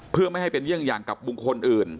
เพื่อไม่ให้เป็นเยี่ยงอย่างกับบุคคลอื่น